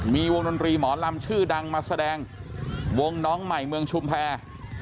มีวงดนตรีหมอลำชื่อดังมาแสดงวงน้องใหม่เมืองชุมแพร